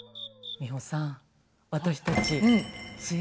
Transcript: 美穂さん